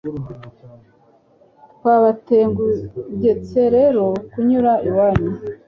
twabategetse rero kunyura iwanyu